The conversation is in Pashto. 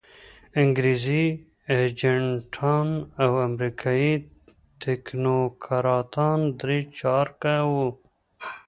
انګریزي ایجنټان او امریکایي تکنوکراتان درې چارکه وو.